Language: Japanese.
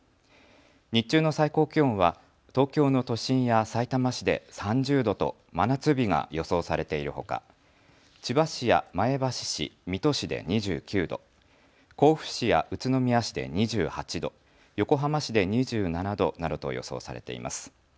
日中の最高気温は東京の都心やさいたま市で３０度と真夏日が予想されているほか、千葉市や前橋市、水戸市で２９度、甲府市や宇都宮市で２８度、横浜市で２７度などと予想されています。